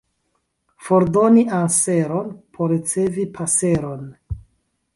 Fordoni anseron, por ricevi paseron.